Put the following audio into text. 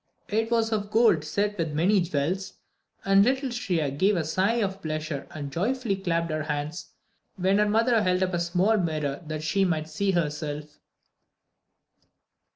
It was of gold set with many jewels, and little Shriya gave a sigh of pleasure and joyfully clapped her hands when her mother held up a small mirror that she might see herself.